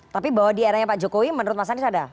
tapi bahwa di eranya pak jokowi menurut mas anies ada